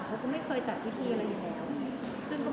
เขาก็ไม่เคยจัดพิธีอะไรอยู่แล้ว